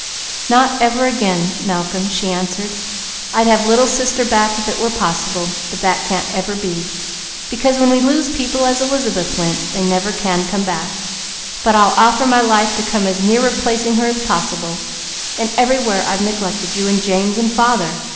"Not ever again Malcolm," she answered. "I'd have Little Sister back if it were possible, but that can't ever be, because when we lose people as Elizabeth went, they never can come back; but I'll offer my life to come as near replacing her as possible, and everywhere I've neglected you, and James, and father.